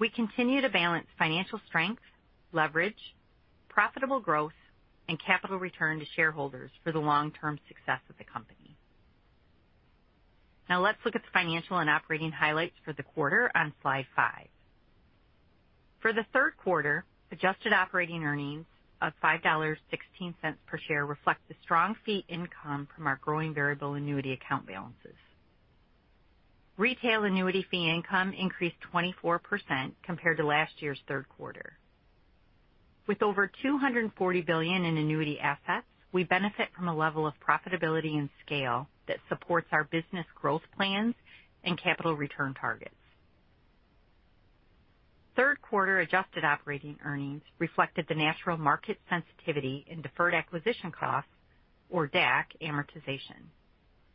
We continue to balance financial strength, leverage, profitable growth, and capital return to shareholders for the long-term success of the company. Now let's look at the financial and operating highlights for the quarter on slide five. For the third quarter, adjusted operating earnings of $5.16 per share reflects the strong fee income from our growing variable annuity account balances. Retail annuity fee income increased 24% compared to last year's third quarter. With over $240 billion in annuity assets, we benefit from a level of profitability and scale that supports our business growth plans and capital return targets. Third quarter adjusted operating earnings reflected the natural market sensitivity in deferred acquisition costs or DAC amortization.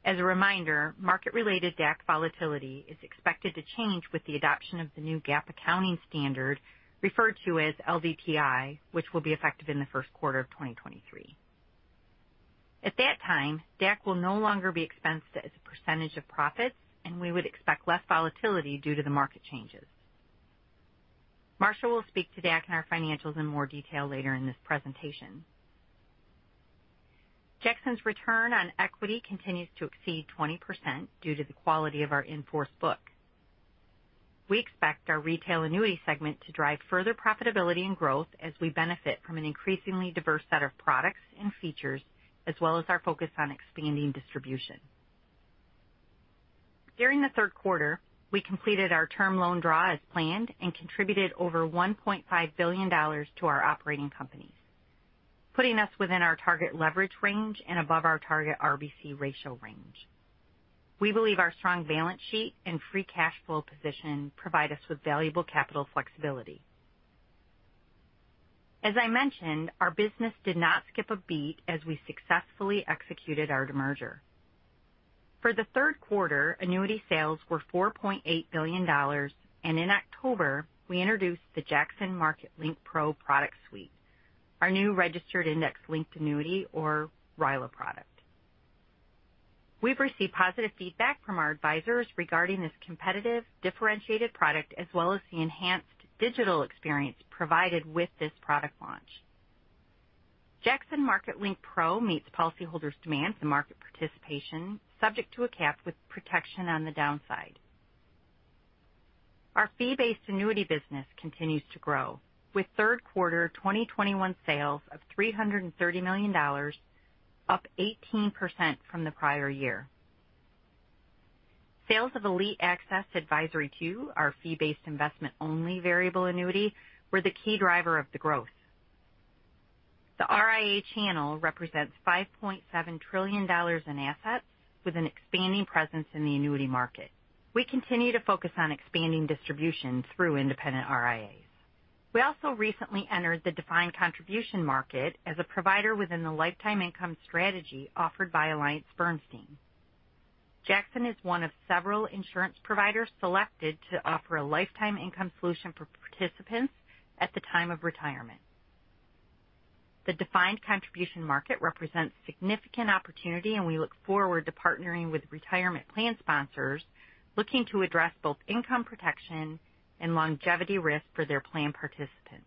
As a reminder, market-related DAC volatility is expected to change with the adoption of the new GAAP accounting standard referred to as LDTI, which will be effective in the first quarter of 2023. At that time, DAC will no longer be expensed as a percentage of profits, and we would expect less volatility due to the market changes. Marcia will speak to DAC and our financials in more detail later in this presentation. Jackson's return on equity continues to exceed 20% due to the quality of our in-force book. We expect our retail annuity segment to drive further profitability and growth as we benefit from an increasingly diverse set of products and features, as well as our focus on expanding distribution. During the third quarter, we completed our term loan draw as planned and contributed over $1.5 billion to our operating companies, putting us within our target leverage range and above our target RBC ratio range. We believe our strong balance sheet and free cash flow position provide us with valuable capital flexibility. As I mentioned, our business did not skip a beat as we successfully executed our demerger. For the third quarter, annuity sales were $4.8 billion, and in October, we introduced the Jackson MarketLink Pro product suite, our new registered index-linked annuity or RILA product. We've received positive feedback from our advisors regarding this competitive, differentiated product, as well as the enhanced digital experience provided with this product launch. Jackson MarketLink Pro meets policyholders' demands in market participation, subject to a cap with protection on the downside. Our fee-based annuity business continues to grow, with third quarter 2021 sales of $330 million, up 18% from the prior year. Sales of Elite Access Advisory II, our fee-based investment-only variable annuity, were the key driver of the growth. The RIA channel represents $5.7 trillion in assets with an expanding presence in the annuity market. We continue to focus on expanding distribution through independent RIAs. We also recently entered the defined contribution market as a provider within the lifetime income strategy offered by AllianceBernstein. Jackson is one of several insurance providers selected to offer a lifetime income solution for participants at the time of retirement. The defined contribution market represents significant opportunity, and we look forward to partnering with retirement plan sponsors looking to address both income protection and longevity risk for their plan participants.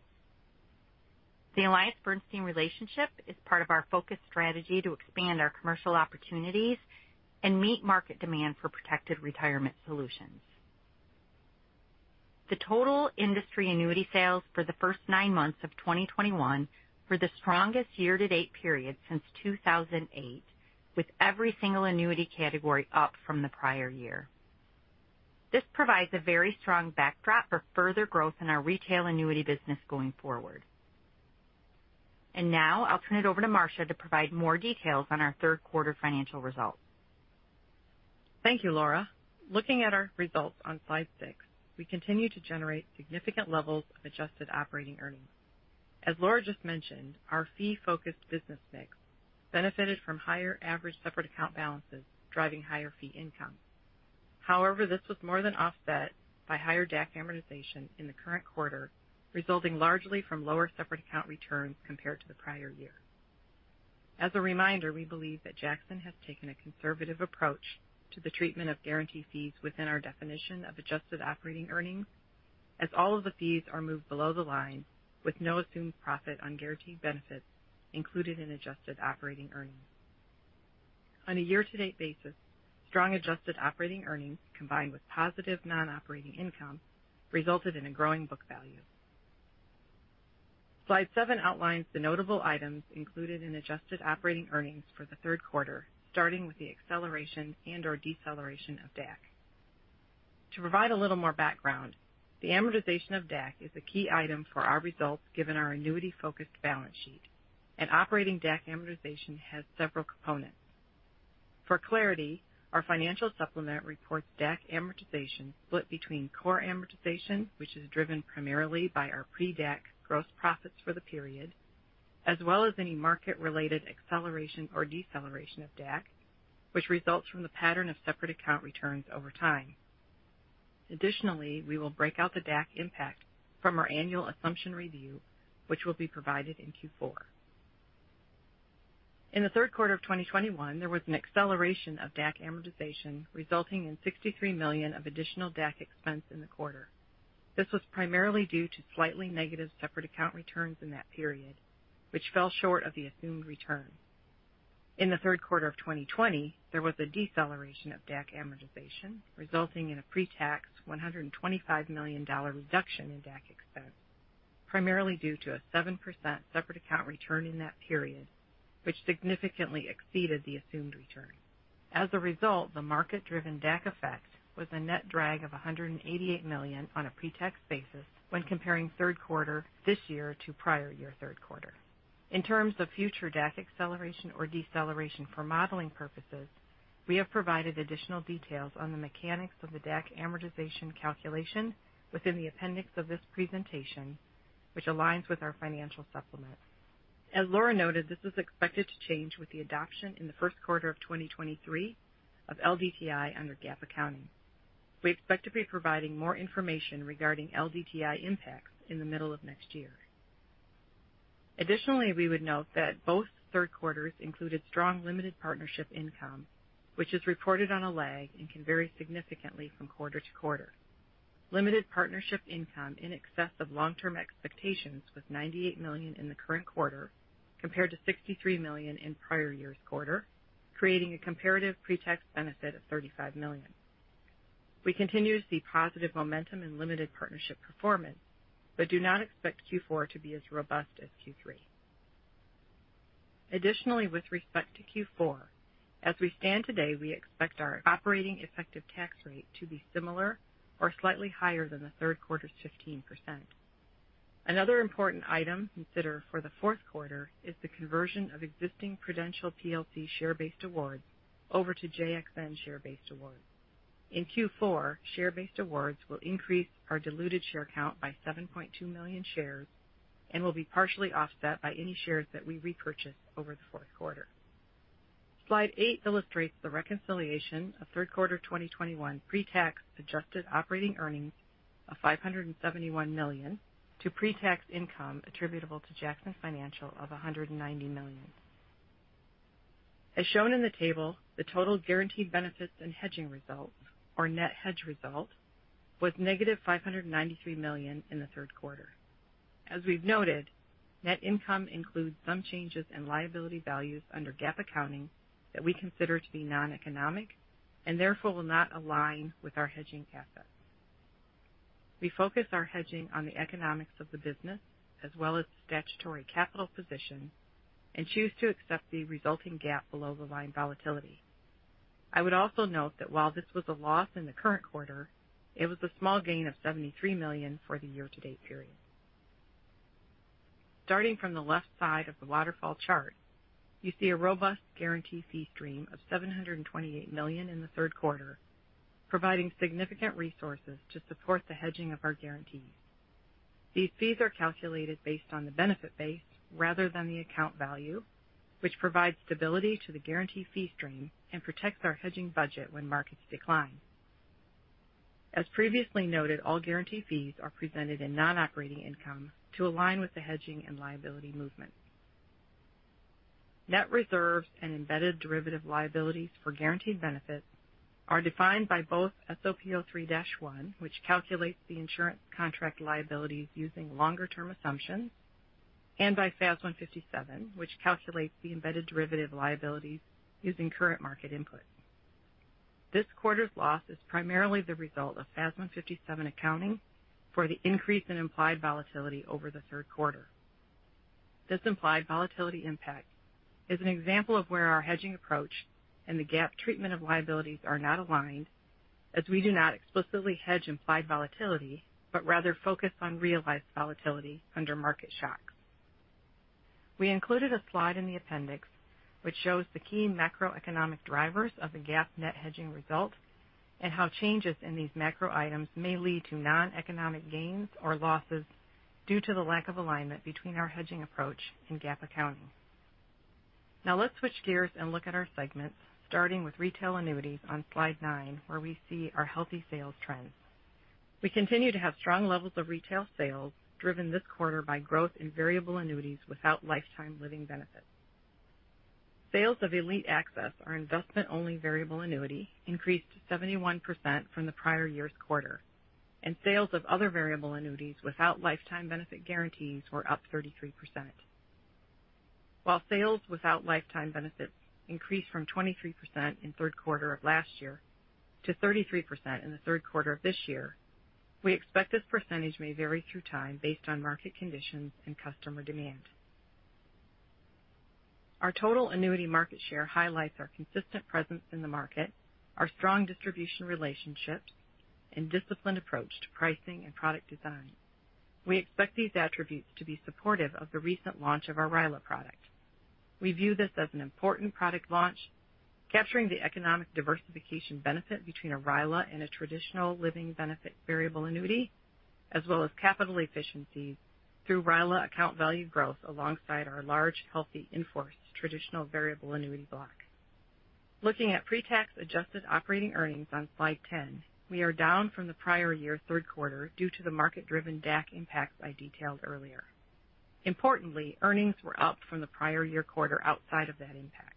The AllianceBernstein relationship is part of our focused strategy to expand our commercial opportunities and meet market demand for protected retirement solutions. The total industry annuity sales for the first nine months of 2021 were the strongest year-to-date period since 2008, with every single annuity category up from the prior year. This provides a very strong backdrop for further growth in our retail annuity business going forward. Now I'll turn it over to Marcia to provide more details on our third quarter financial results. Thank you, Laura. Looking at our results on slide six, we continue to generate significant levels of adjusted operating earnings. As Laura just mentioned, our fee-focused business mix benefited from higher average separate account balances, driving higher fee income. However, this was more than offset by higher DAC amortization in the current quarter, resulting largely from lower separate account returns compared to the prior year. As a reminder, we believe that Jackson has taken a conservative approach to the treatment of guarantee fees within our definition of adjusted operating earnings, as all of the fees are moved below the line with no assumed profit on guaranteed benefits included in adjusted operating earnings. On a year-to-date basis, strong adjusted operating earnings combined with positive non-operating income resulted in a growing book value. Slide seven outlines the notable items included in adjusted operating earnings for the third quarter, starting with the acceleration and/or deceleration of DAC. To provide a little more background, the amortization of DAC is a key item for our results given our annuity-focused balance sheet and operating DAC amortization has several components. For clarity, our financial supplement reports DAC amortization split between core amortization, which is driven primarily by our pre-DAC gross profits for the period, as well as any market-related acceleration or deceleration of DAC, which results from the pattern of separate account returns over time. Additionally, we will break out the DAC impact from our annual assumption review, which will be provided in Q4. In the third quarter of 2021, there was an acceleration of DAC amortization, resulting in $63 million of additional DAC expense in the quarter. This was primarily due to slightly negative separate account returns in that period, which fell short of the assumed return. In the third quarter of 2020, there was a deceleration of DAC amortization, resulting in a pre-tax $125 million reduction in DAC expense, primarily due to a 7% separate account return in that period, which significantly exceeded the assumed return. As a result, the market driven DAC effect was a net drag of $188 million on a pre-tax basis when comparing third quarter this year to prior year third quarter. In terms of future DAC acceleration or deceleration for modeling purposes, we have provided additional details on the mechanics of the DAC amortization calculation within the appendix of this presentation, which aligns with our financial supplement. As Laura noted, this is expected to change with the adoption in the first quarter of 2023 of LDTI under GAAP accounting. We expect to be providing more information regarding LDTI impacts in the middle of next year. Additionally, we would note that both third quarters included strong limited partnership income, which is reported on a lag and can vary significantly from quarter to quarter. Limited partnership income in excess of long-term expectations was $98 million in the current quarter compared to $63 million in prior year's quarter, creating a comparative pre-tax benefit of $35 million. We continue to see positive momentum in limited partnership performance, but do not expect Q4 to be as robust as Q3. Additionally, with respect to Q4, as we stand today, we expect our operating effective tax rate to be similar or slightly higher than the third quarter's 15%. Another important item to consider for the fourth quarter is the conversion of existing Prudential plc share based awards over to JXN share based awards. In Q4, share based awards will increase our diluted share count by 7.2 million shares and will be partially offset by any shares that we repurchase over the fourth quarter. Slide eight illustrates the reconciliation of third quarter 2021 pre-tax adjusted operating earnings of $571 million to pre-tax income attributable to Jackson Financial of $190 million. As shown in the table, the total guaranteed benefits and hedging results or net hedge result was -$593 million in the third quarter. As we've noted, net income includes some changes in liability values under GAAP accounting that we consider to be noneconomic and therefore will not align with our hedging assets. We focus our hedging on the economics of the business as well as statutory capital position and choose to accept the resulting GAAP below the line volatility. I would also note that while this was a loss in the current quarter, it was a small gain of $73 million for the year to date period. Starting from the left side of the waterfall chart, you see a robust guarantee fee stream of $728 million in the third quarter, providing significant resources to support the hedging of our guarantees. These fees are calculated based on the benefit base rather than the account value, which provides stability to the guarantee fee stream and protects our hedging budget when markets decline. As previously noted, all guarantee fees are presented in non-operating income to align with the hedging and liability movements. Net reserves and embedded derivative liabilities for guaranteed benefits are defined by both SOP 03-1, which calculates the insurance contract liabilities using longer term assumptions, and by FAS 157, which calculates the embedded derivative liabilities using current market inputs. This quarter's loss is primarily the result of FAS 157 accounting for the increase in implied volatility over the third quarter. This implied volatility impact is an example of where our hedging approach and the GAAP treatment of liabilities are not aligned, as we do not explicitly hedge implied volatility, but rather focus on realized volatility under market shocks. We included a slide in the appendix which shows the key macroeconomic drivers of the GAAP net hedging result and how changes in these macro items may lead to noneconomic gains or losses due to the lack of alignment between our hedging approach and GAAP accounting. Now let's switch gears and look at our segments, starting with Retail Annuities on slide 9, where we see our healthy sales trends. We continue to have strong levels of retail sales driven this quarter by growth in variable annuities without lifetime living benefits. Sales of Elite Access, our investment only variable annuity, increased 71% from the prior year's quarter, and sales of other variable annuities without lifetime benefit guarantees were up 33%. While sales without lifetime benefits increased from 23% in third quarter of last year to 33% in the third quarter of this year, we expect this percentage may vary through time based on market conditions and customer demand. Our total annuity market share highlights our consistent presence in the market, our strong distribution relationships, and disciplined approach to pricing and product design. We expect these attributes to be supportive of the recent launch of our RILA product. We view this as an important product launch, capturing the economic diversification benefit between a RILA and a traditional living benefit variable annuity, as well as capital efficiency through RILA account value growth alongside our large, healthy in-force traditional variable annuity block. Looking at pre-tax adjusted operating earnings on slide 10, we are down from the prior year third quarter due to the market-driven DAC impact I detailed earlier. Importantly, earnings were up from the prior year quarter outside of that impact.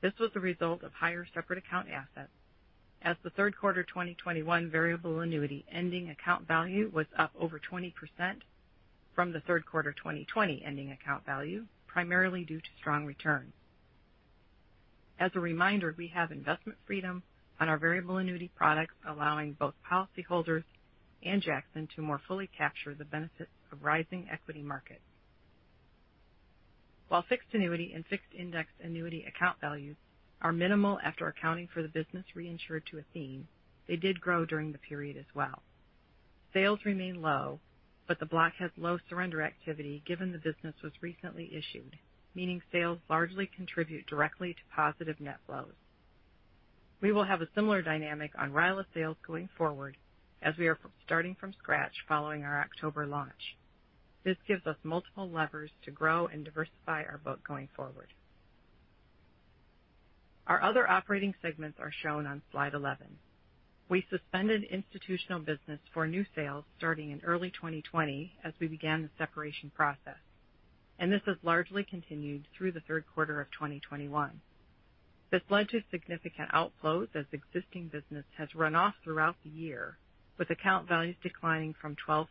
This was a result of higher separate account assets as the third quarter 2021 variable annuity ending account value was up over 20% from the third quarter 2020 ending account value, primarily due to strong returns. As a reminder, we have investment freedom on our variable annuity products, allowing both policyholders and Jackson to more fully capture the benefits of rising equity markets. While fixed annuity and fixed-index annuity account values are minimal after accounting for the business reinsured to Athene, they did grow during the period as well. Sales remain low, but the block has low surrender activity given the business was recently issued, meaning sales largely contribute directly to positive net flows. We will have a similar dynamic on RILA sales going forward as we are starting from scratch following our October launch. This gives us multiple levers to grow and diversify our book going forward. Our other operating segments are shown on slide 11. We suspended institutional business for new sales starting in early 2020 as we began the separation process, and this has largely continued through the third quarter of 2021. This led to significant outflows as existing business has run off throughout the year, with account values declining from $12.3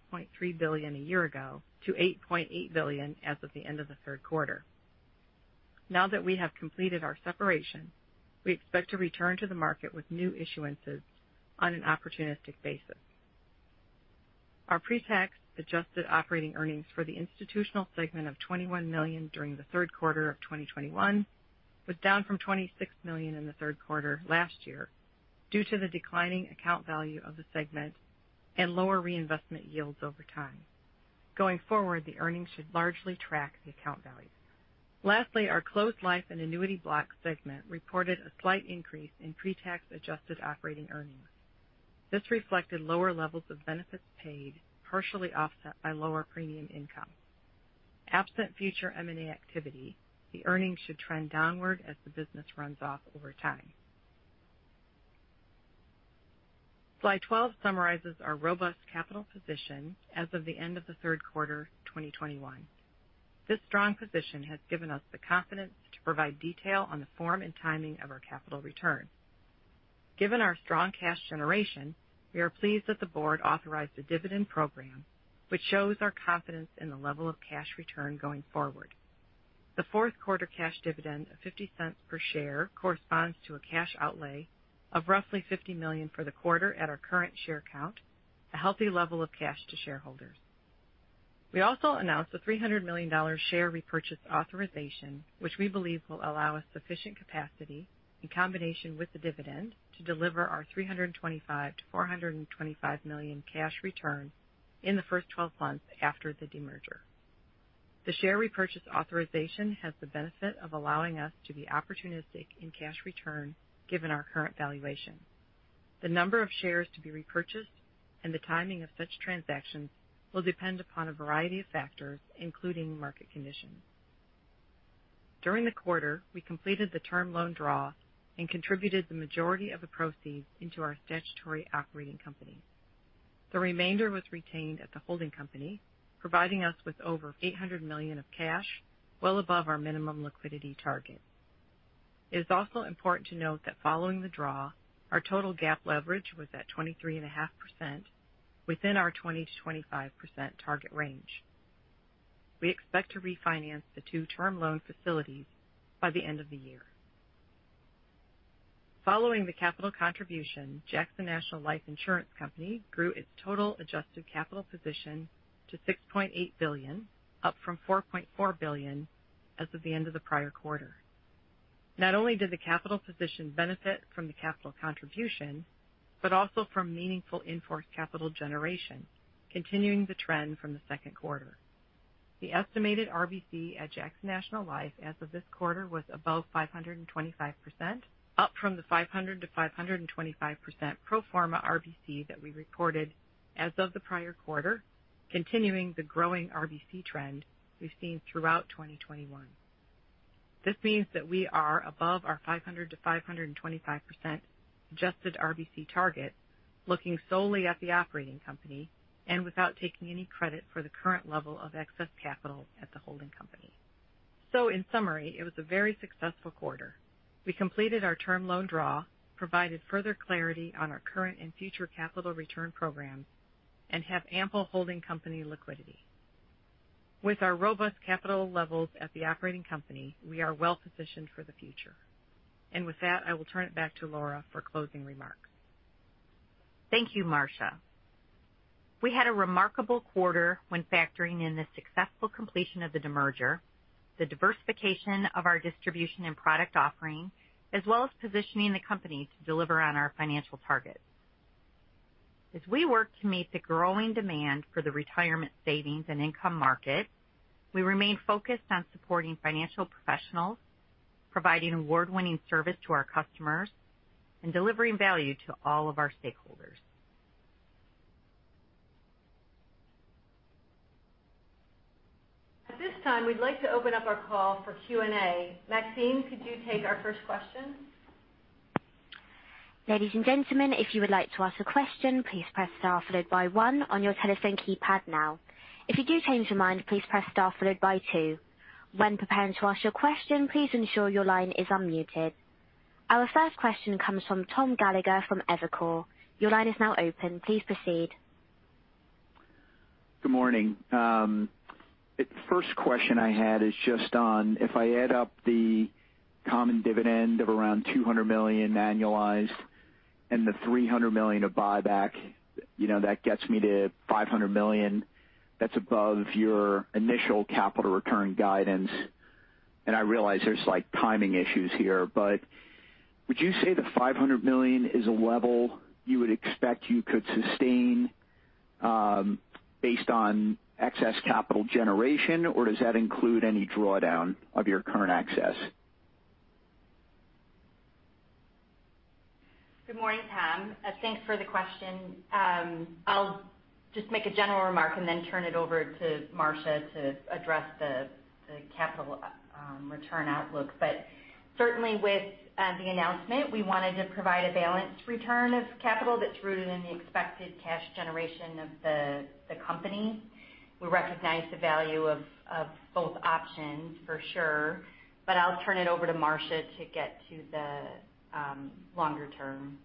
billion a year ago to $8.8 billion as of the end of the third quarter. Now that we have completed our separation, we expect to return to the market with new issuances on an opportunistic basis. Our pre-tax adjusted operating earnings for the institutional segment of $21 million during the third quarter of 2021 was down from $26 million in the third quarter last year due to the declining account value of the segment and lower reinvestment yields over time. Going forward, the earnings should largely track the account values. Lastly, our closed life and annuity block segment reported a slight increase in pre-tax adjusted operating earnings. This reflected lower levels of benefits paid, partially offset by lower premium income. Absent future M&A activity, the earnings should trend downward as the business runs off over time. Slide 12 summarizes our robust capital position as of the end of the third quarter 2021. This strong position has given us the confidence to provide detail on the form and timing of our capital return. Given our strong cash generation, we are pleased that the board authorized a dividend program which shows our confidence in the level of cash return going forward. The fourth quarter cash dividend of $0.50 per share corresponds to a cash outlay of roughly $50 million for the quarter at our current share count, a healthy level of cash to shareholders. We also announced a $300 million share repurchase authorization, which we believe will allow us sufficient capacity in combination with the dividend to deliver our $325 million-$425 million cash return in the first 12 months after the demerger. The share repurchase authorization has the benefit of allowing us to be opportunistic in cash return given our current valuation. The number of shares to be repurchased and the timing of such transactions will depend upon a variety of factors, including market conditions. During the quarter, we completed the term loan draw and contributed the majority of the proceeds into our statutory operating company. The remainder was retained at the holding company, providing us with over $800 million of cash well above our minimum liquidity target. It is also important to note that following the draw, our total GAAP leverage was at 23.5% within our 20%-25% target range. We expect to refinance the two-term loan facilities by the end of the year. Following the capital contribution, Jackson National Life Insurance Company grew its total adjusted capital position to $6.8 billion, up from $4.4 billion as of the end of the prior quarter. Not only did the capital position benefit from the capital contribution, but also from meaningful in-force capital generation, continuing the trend from the second quarter. The estimated RBC at Jackson National Life as of this quarter was above 525%, up from the 500%-525% pro forma RBC that we reported as of the prior quarter, continuing the growing RBC trend we've seen throughout 2021. This means that we are above our 500%-525% adjusted RBC target, looking solely at the operating company and without taking any credit for the current level of excess capital at the holding company. In summary, it was a very successful quarter. We completed our term loan draw, provided further clarity on our current and future capital return programs, and have ample holding company liquidity. With our robust capital levels at the operating company, we are well positioned for the future. With that, I will turn it back to Laura for closing remarks. Thank you, Marcia. We had a remarkable quarter when factoring in the successful completion of the demerger, the diversification of our distribution and product offering, as well as positioning the company to deliver on our financial targets. As we work to meet the growing demand for the retirement savings and income market, we remain focused on supporting financial professionals, providing award-winning service to our customers, and delivering value to all of our stakeholders. At this time, we'd like to open up our call for Q&A. Maxine, could you take our first question? Our first question comes from Tom Gallagher from Evercore ISI. Your line is now open. Please proceed. Good morning. The first question I had is just on if I add up the common dividend of around $200 million annualized and the $300 million of buyback, you know, that gets me to $500 million. That's above your initial capital return guidance. I realize there's, like, timing issues here, but would you say the $500 million is a level you would expect you could sustain, based on excess capital generation, or does that include any drawdown of your current access? Good morning, Tom. Thanks for the question. I'll just make a general remark and then turn it over to Marcia to address the capital return outlook. Certainly with the announcement, we wanted to provide a balanced return of capital that's rooted in the expected cash generation of the company. We recognize the value of both options for sure, but I'll turn it over to Marcia to get to the longer term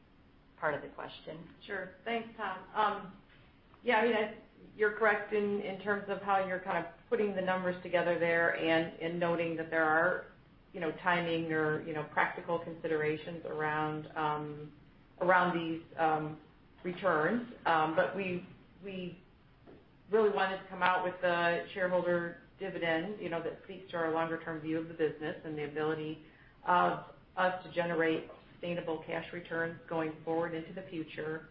part of the question. Sure. Thanks, Tom. Yeah, I mean, you're correct in terms of how you're kind of putting the numbers together there and noting that there are, you know, timing or, you know, practical considerations around these returns. We really wanted to come out with the shareholder dividend, you know, that speaks to our longer term view of the business and the ability of us to generate sustainable cash returns going forward into the future.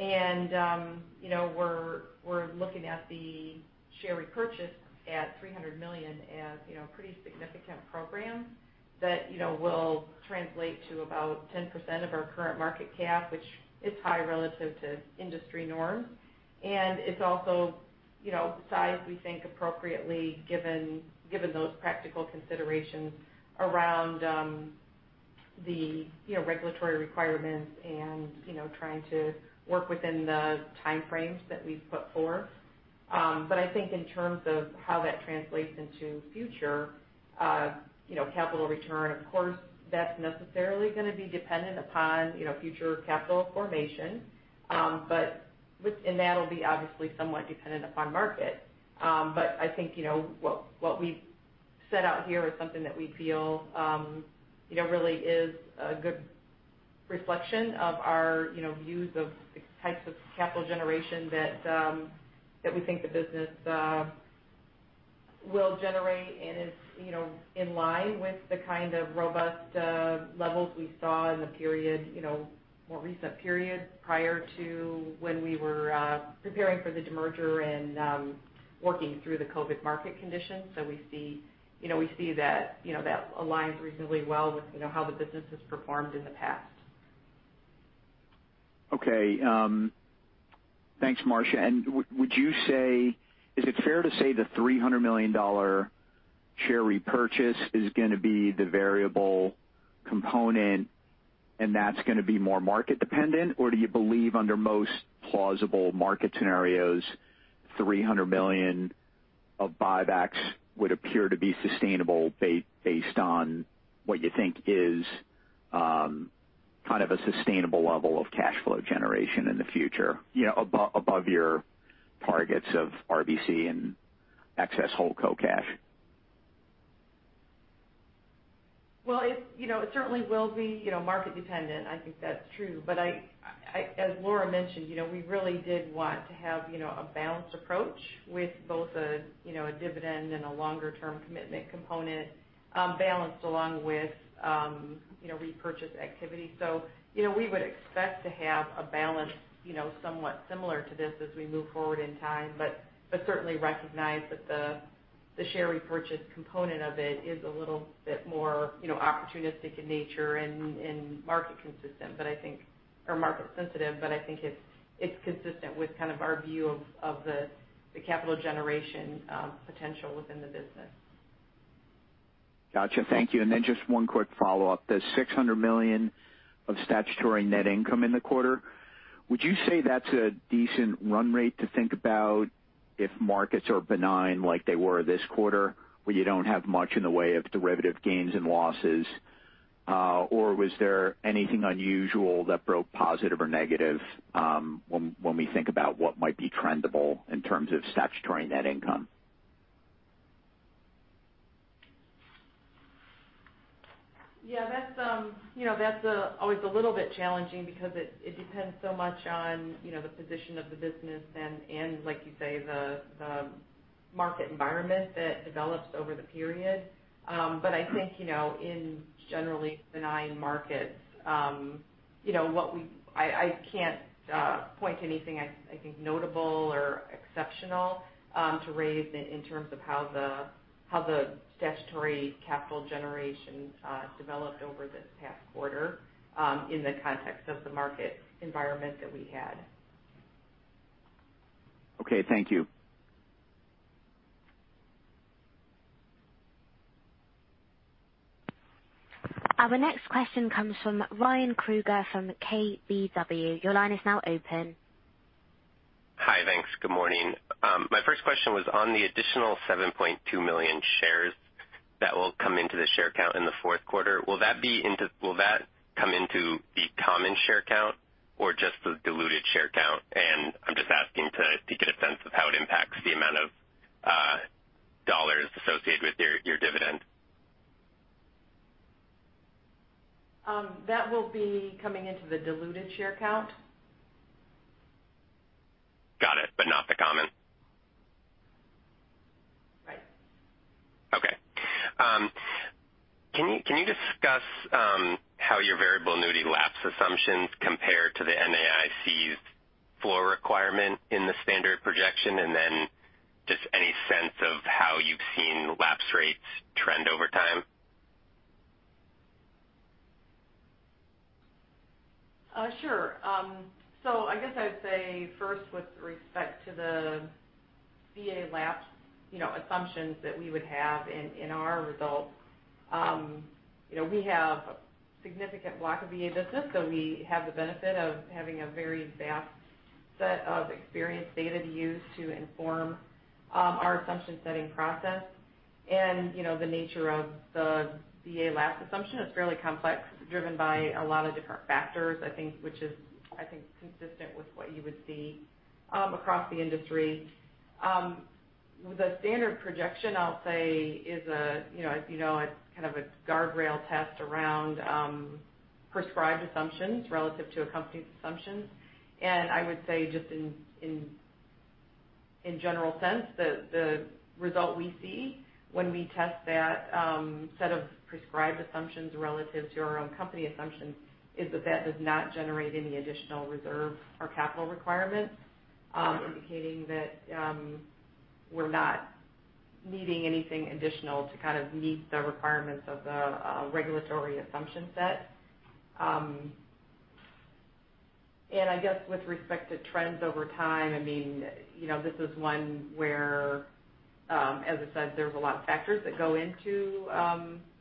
You know, we're looking at the share repurchase at $300 million as, you know, a pretty significant program that, you know, will translate to about 10% of our current market cap, which is high relative to industry norm. It's also, you know, sized, we think, appropriately given those practical considerations around the, you know, regulatory requirements and, you know, trying to work within the time frames that we've put forth. I think in terms of how that translates into future you know, capital return, of course, that's necessarily going to be dependent upon you know, future capital formation and that'll be obviously somewhat dependent upon market. I think you know, what we set out here is something that we feel you know, really is a good reflection of our you know, views of the types of capital generation that we think the business will generate. It's, you know, in line with the kind of robust levels we saw in the period, you know, more recent period prior to when we were preparing for the demerger and working through the COVID market conditions. We see, you know, that aligns reasonably well with, you know, how the business has performed in the past. Okay. Thanks, Marcia. Would you say is it fair to say the $300 million share repurchase is going to be the variable component and that's going to be more market dependent? Or do you believe under most plausible market scenarios, $300 million of buybacks would appear to be sustainable based on what you think is kind of a sustainable level of cash flow generation in the future, you know, above your targets of RBC and excess holdco cash? Well, you know, it certainly will be, you know, market dependent. I think that's true. I, as Laura mentioned, you know, we really did want to have, you know, a balanced approach with both a, you know, a dividend and a longer term commitment component, balanced along with, you know, repurchase activity. You know, we would expect to have a balance, you know, somewhat similar to this as we move forward in time. Certainly recognize that the share repurchase component of it is a little bit more, you know, opportunistic in nature and market consistent. I think or market sensitive, but I think it's consistent with kind of our view of the capital generation potential within the business. Gotcha. Thank you. Just one quick follow-up. The $600 million of statutory net income in the quarter, would you say that's a decent run rate to think about if markets are benign like they were this quarter, where you don't have much in the way of derivative gains and losses? Or was there anything unusual that broke positive or negative, when we think about what might be trendable in terms of statutory net income? Yeah, that's, you know, always a little bit challenging because it depends so much on, you know, the position of the business and like you say, the market environment that develops over the period. I think, you know, in generally benign markets, you know, I can't point to anything I think notable or exceptional to raise in terms of how the statutory capital generation developed over this past quarter, in the context of the market environment that we had. Okay. Thank you. Our next question comes from Ryan Krueger from KBW. Your line is now open. Hi. Thanks. Good morning. My first question was on the additional 7.2 million shares that will come into the share count in the fourth quarter. Will that come into the common share count or just the diluted share count? I'm just asking to get a sense of how it impacts the amount of dollars associated with your dividend. That will be coming into the diluted share count. Got it, but not the common. Right. Okay. Can you discuss how your variable annuity lapse assumptions compare to the NAIC's floor requirement in the Standard Projection? Just any sense of how you've seen lapse rates trend over time. Sure. I guess I'd say first with respect to the VA lapse, you know, assumptions that we would have in our results. You know, we have a significant block of VA business, so we have the benefit of having a very vast set of experience data to use to inform our assumption setting process. You know, the nature of the VA lapse assumption is fairly complex, driven by a lot of different factors, I think, which is, I think, consistent with what you would see across the industry. The Standard Projection, I'll say is, you know, as you know, a kind of guardrail test around prescribed assumptions relative to a company's assumptions. I would say just in general sense, the result we see when we test that set of prescribed assumptions relative to our own company assumptions is that that does not generate any additional reserve or capital requirements, indicating that we're not needing anything additional to kind of meet the requirements of the regulatory assumption set. I guess with respect to trends over time, I mean, you know, this is one where, as I said, there's a lot of factors that go into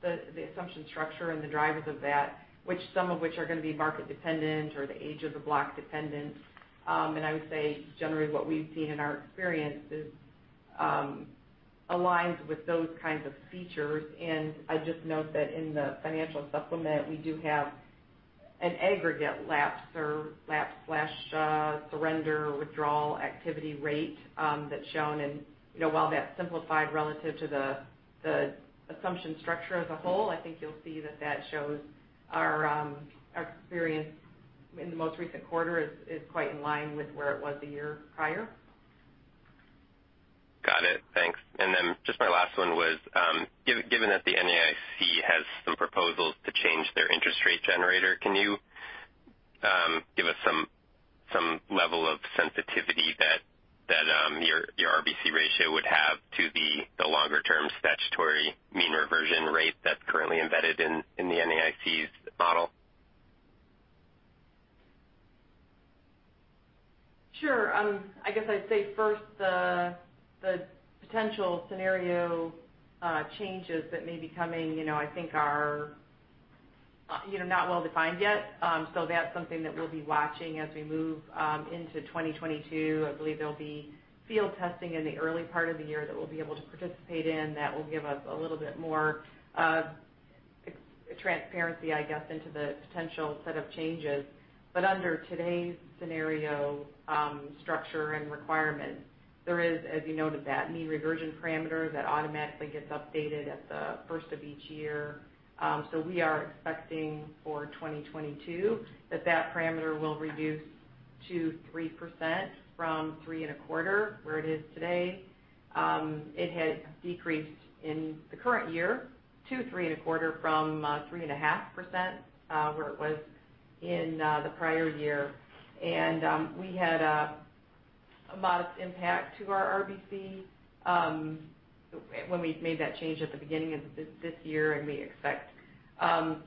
the assumption structure and the drivers of that which some of which are gonna be market dependent or the age of the block dependent. I would say generally what we've seen in our experience is aligns with those kinds of features. I just note that in the financial supplement, we do have an aggregate lapse or surrender withdrawal activity rate, that's shown in. While that's simplified relative to the assumption structure as a whole, I think you'll see that shows our experience in the most recent quarter is quite in line with where it was a year prior. Got it. Thanks. Just my last one was, given that the NAIC has some proposals to change their interest rate generator, can you give us some level of sensitivity that your RBC ratio would have to the longer term statutory mean reversion rate that's currently embedded in the NAIC's model? Sure. I guess I'd say first the potential scenario changes that may be coming, you know, I think are not well-defined yet. That's something that we'll be watching as we move into 2022. I believe there'll be field testing in the early part of the year that we'll be able to participate in. That will give us a little bit more transparency, I guess, into the potential set of changes. Under today's scenario structure and requirements, there is, as you noted, that mean reversion parameter that automatically gets updated at the first of each year. We are expecting for 2022 that that parameter will reduce to 3% from 3.25%, where it is today. It had decreased in the current year to 3.25% from 3.5%, where it was in the prior year. We had a modest impact to our RBC when we made that change at the beginning of this year. We expect,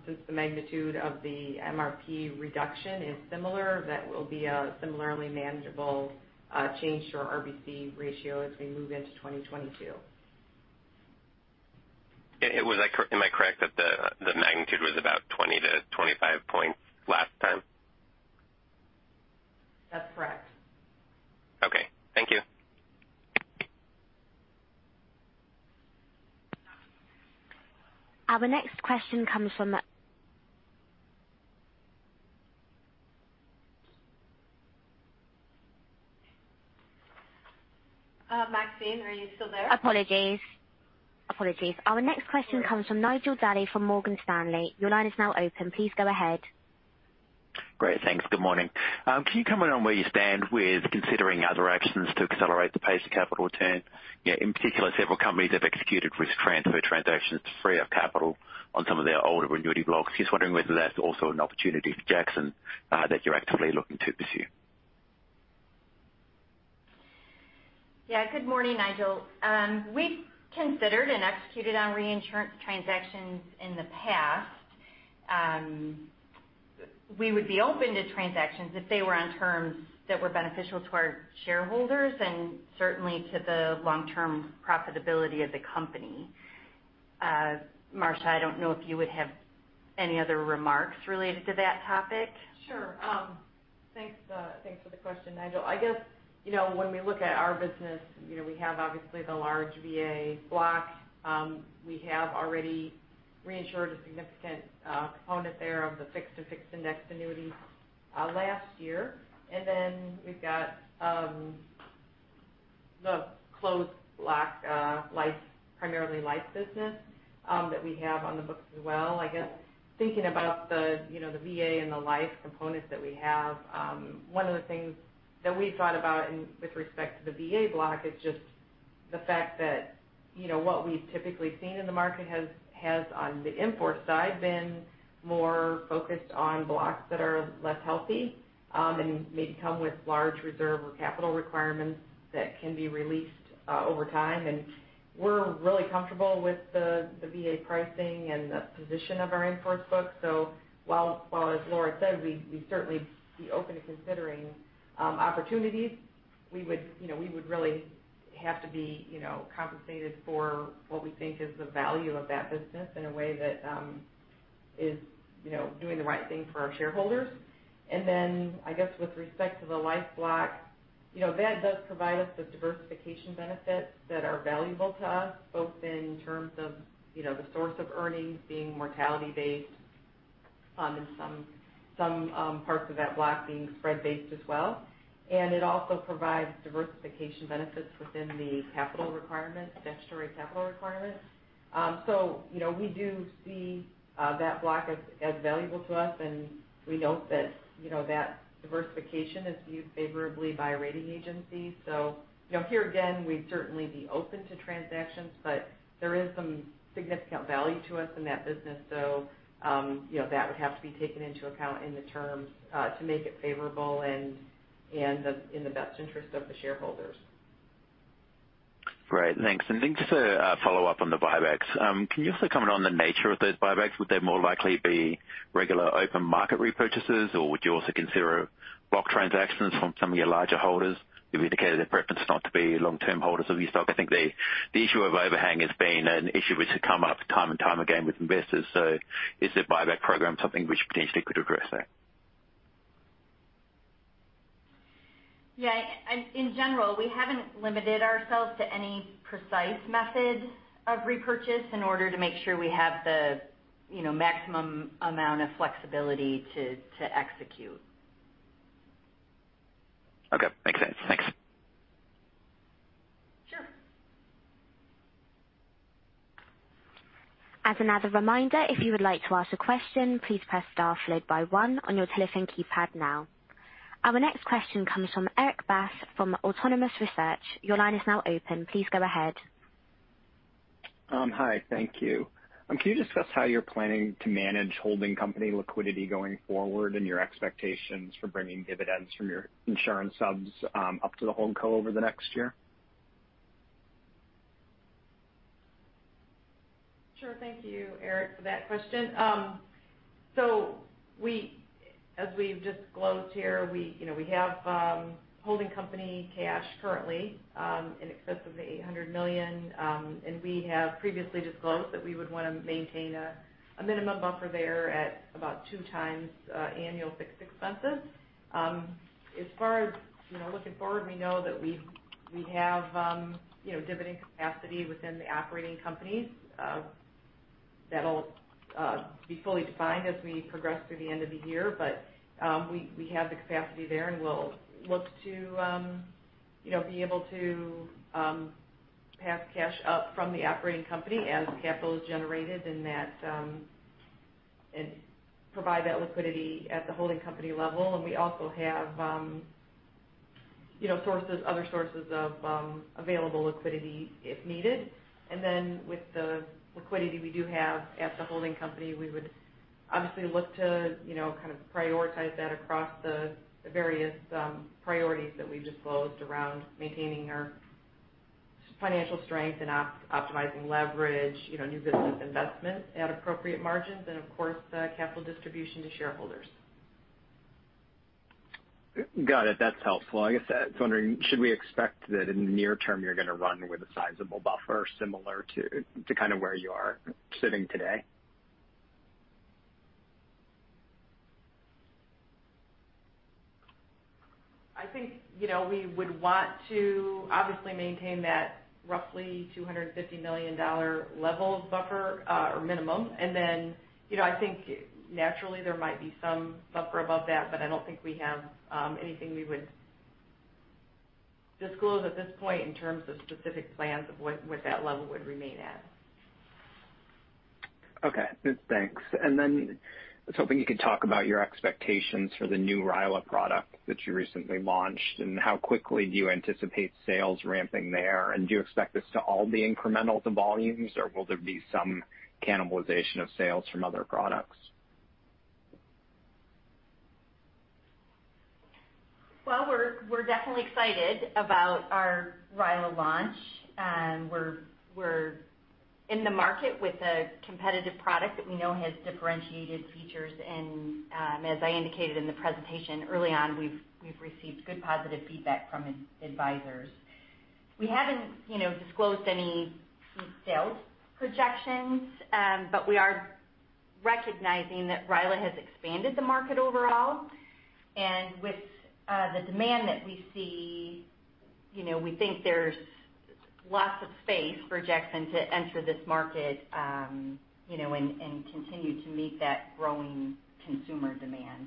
since the magnitude of the MRP reduction is similar, that will be a similarly manageable change to our RBC ratio as we move into 2022. It was like, am I correct that the magnitude was about 20-25 points last time? That's correct. Okay. Thank you. Our next question comes from. Maxine, are you still there? Apologies. Our next question comes from Nigel Dally from Morgan Stanley. Your line is now open. Please go ahead. Great. Thanks. Good morning. Can you comment on where you stand with considering other actions to accelerate the pace of capital return? In particular, several companies have executed risk transfer transactions to free up capital on some of their older annuity blocks. Just wondering whether that's also an opportunity for Jackson that you're actively looking to pursue? Yeah. Good morning, Nigel. We've considered and executed on reinsurance transactions in the past. We would be open to transactions if they were on terms that were beneficial to our shareholders and certainly to the long-term profitability of the company. Marcia, I don't know if you would have any other remarks related to that topic. Sure. Thanks for the question, Nigel. I guess, you know, when we look at our business, you know, we have obviously the large VA block. We have already reinsured a significant component thereof the fixed and fixed-index annuities last year. We've got the closed block life, primarily life business that we have on the books as well. I guess thinking about the, you know, the VA and the life components that we have, one of the things that we thought about with respect to the VA block is just the fact that, you know, what we've typically seen in the market has on the in-force side been more focused on blocks that are less healthy and may come with large reserve or capital requirements that can be released over time. We're really comfortable with the VA pricing and the position of our in-force book. While, as Laura said, we certainly would be open to considering opportunities, we would, you know, we would really have to be, you know, compensated for what we think is the value of that business in a way that is, you know, doing the right thing for our shareholders. I guess with respect to the life block, you know, that does provide us the diversification benefits that are valuable to us, both in terms of, you know, the source of earnings being mortality-based and some parts of that block being spread-based as well. It also provides diversification benefits within the capital requirement, statutory capital requirement. You know, we do see that block as valuable to us, and we note that, you know, that diversification is viewed favorably by rating agencies. You know, here again, we'd certainly be open to transactions, but there is some significant value to us in that business. You know, that would have to be taken into account in the terms to make it favorable and in the best interest of the shareholders. Great. Thanks. Just a follow-up on the buybacks. Can you also comment on the nature of those buybacks? Would they more likely be regular open market repurchases, or would you also consider block transactions from some of your larger holders who've indicated their preference not to be long-term holders of your stock? I think the issue of overhang has been an issue which has come up time and time again with investors. Is the buyback program something which potentially could address that? Yeah. In general, we haven't limited ourselves to any precise method of repurchase in order to make sure we have the, you know, maximum amount of flexibility to execute. Okay. Makes sense. Thanks. Sure. As another reminder, if you would like to ask a question, please press star followed by one on your telephone keypad now. Our next question comes from Erik Bass from Autonomous Research. Your line is now open. Please go ahead. Hi. Thank you. Can you discuss how you're planning to manage holding company liquidity going forward and your expectations for bringing dividends from your insurance subs up to the holdco over the next year? Sure. Thank you, Erik, for that question. We, as we've disclosed here, you know, we have holding company cash currently in excess of $800 million. We have previously disclosed that we would wanna maintain a minimum buffer there at about two times annual fixed expenses. As far as, you know, looking forward, we know that we have, you know, dividend capacity within the operating companies. That'll be fully defined as we progress through the end of the year. We have the capacity there, and we'll look to, you know, be able to pass cash up from the operating company as capital is generated, and provide that liquidity at the holding company level. We also have, you know, sources, other sources of available liquidity if needed. With the liquidity we do have at the holding company, we would obviously look to, you know, kind of prioritize that across the various priorities that we've disclosed around maintaining our financial strength and optimizing leverage, you know, new business investment at appropriate margins and of course, capital distribution to shareholders. Got it. That's helpful. I guess I was wondering, should we expect that in the near term, you're gonna run with a sizable buffer similar to kind of where you are sitting today? I think, you know, we would want to obviously maintain that roughly $250 million level of buffer, or minimum. Then, you know, I think naturally there might be some buffer above that, but I don't think we have anything we would disclose at this point in terms of specific plans of what that level would remain at. Okay. Thanks. I was hoping you could talk about your expectations for the new RILA product that you recently launched, and how quickly do you anticipate sales ramping there? Do you expect this to all be incremental to volumes, or will there be some cannibalization of sales from other products? Well, we're definitely excited about our RILA launch. We're in the market with a competitive product that we know has differentiated features. As I indicated in the presentation early on, we've received good positive feedback from advisors. We haven't, you know, disclosed any sales projections, but we are recognizing that RILA has expanded the market overall. With the demand that we see, you know, we think there's lots of space for Jackson to enter this market, you know, and continue to meet that growing consumer demand.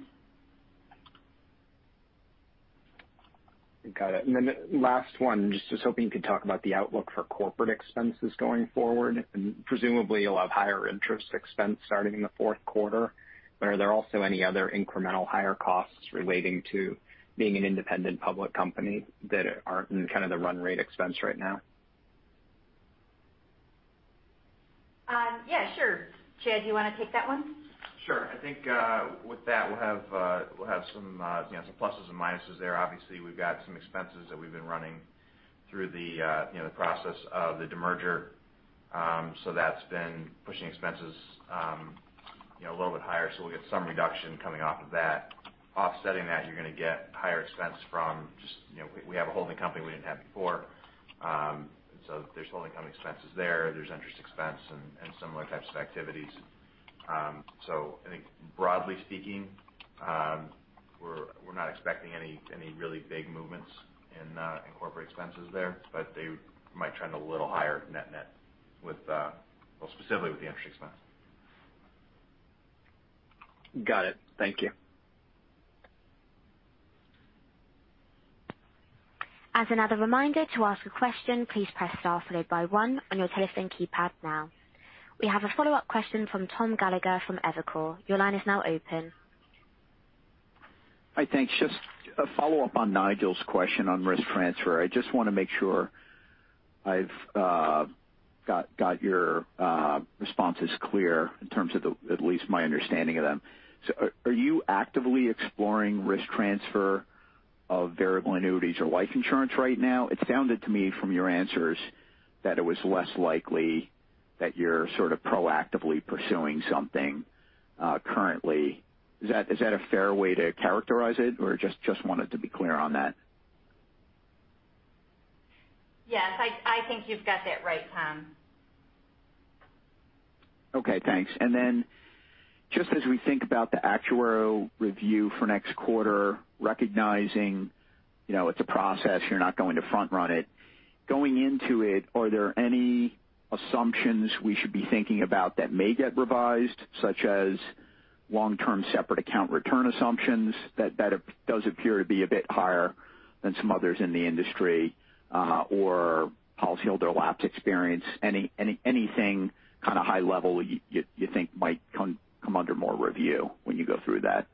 Got it. Last one, just was hoping you could talk about the outlook for corporate expenses going forward. Presumably, you'll have higher interest expense starting in the fourth quarter. Are there also any other incremental higher costs relating to being an independent public company that aren't in kind of the run rate expense right now? Yeah, sure. Chad, do you wanna take that one? Sure. I think, with that, we'll have some pluses and minuses there. Obviously, we've got some expenses that we've been running through the, you know, the process of the demerger. That's been pushing expenses, you know, a little bit higher, so we'll get some reduction coming off of that. Offsetting that, you're gonna get higher expense from just, you know, we have a holding company we didn't have before. There's holding company expenses there. There's interest expense and similar types of activities. I think broadly speaking, we're not expecting any really big movements in corporate expenses there, but they might trend a little higher net net with, well, specifically with the interest expense. Got it. Thank you. We have a follow-up question from Tom Gallagher from Evercore ISI. Your line is now open. Hi. Thanks. Just a follow-up on Nigel's question on risk transfer. I just wanna make sure I've got your responses clear in terms of, at least my understanding of them. Are you actively exploring risk transfer of variable annuities or life insurance right now? It sounded to me from your answers that it was less likely that you're sort of proactively pursuing something currently. Is that a fair way to characterize it? I just wanted to be clear on that. Yes. I think you've got that right, Tom. Okay, thanks. Just as we think about the actuarial review for next quarter, recognizing, you know, it's a process, you're not going to front run it. Going into it, are there any assumptions we should be thinking about that may get revised, such as long-term separate account return assumptions that does appear to be a bit higher than some others in the industry, or policyholder lapse experience? Anything kinda high level you think might come under more review when you go through that?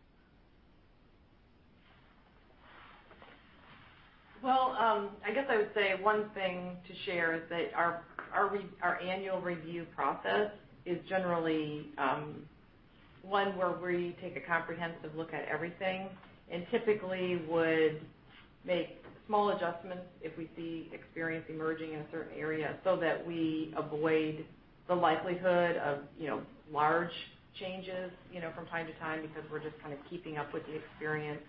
Well, I guess I would say one thing to share is that our annual review process is generally one where we take a comprehensive look at everything and typically would make small adjustments if we see experience emerging in a certain area so that we avoid the likelihood of, you know, large changes, you know, from time to time because we're just kind of keeping up with the experience.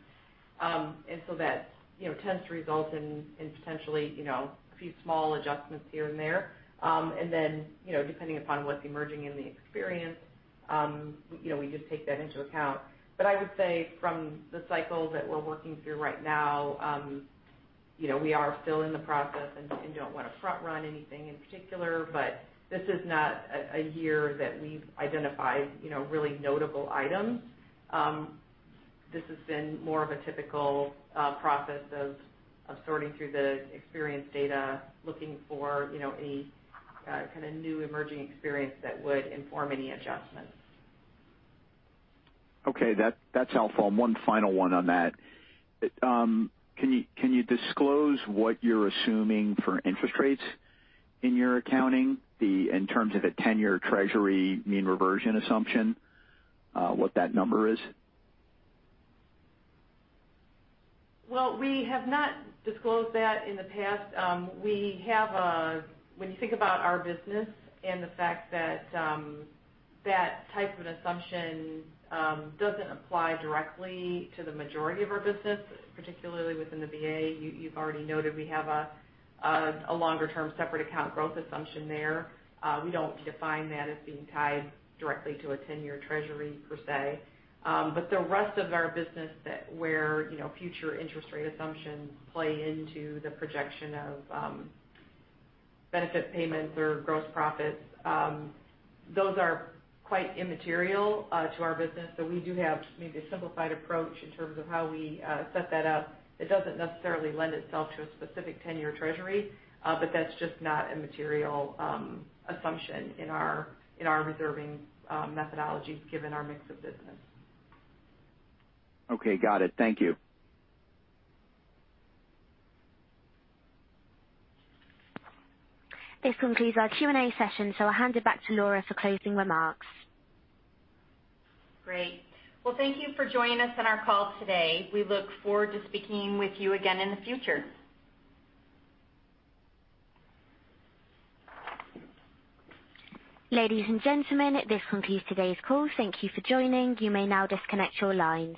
That, you know, tends to result in potentially, you know, a few small adjustments here and there. Depending upon what's emerging in the experience, you know, we just take that into account. I would say from the cycle that we're working through right now, you know, we are still in the process and don't wanna front run anything in particular. This is not a year that we've identified, you know, really notable items. This has been more of a typical process of sorting through the experience data, looking for, you know, any kinda new emerging experience that would inform any adjustments. Okay. That's helpful. One final one on that. Can you disclose what you're assuming for interest rates in your accounting in terms of a 10-year Treasury mean reversion assumption, what that number is? Well, we have not disclosed that in the past. When you think about our business and the fact that that type of assumption doesn't apply directly to the majority of our business, particularly within the VA, you've already noted we have a longer-term separate account growth assumption there. We don't define that as being tied directly to a 10-year Treasury per se. But the rest of our business, where you know, future interest rate assumptions play into the projection of benefit payments or gross profits, those are quite immaterial to our business. We do have maybe a simplified approach in terms of how we set that up. It doesn't necessarily lend itself to a specific 10-year Treasury, but that's just not a material assumption in our reserving methodology given our mix of business. Okay. Got it. Thank you. This concludes our Q&A session, so I'll hand it back to Laura for closing remarks. Great. Well, thank you for joining us on our call today. We look forward to speaking with you again in the future. Ladies and gentlemen, this concludes today's call. Thank you for joining. You may now disconnect your lines.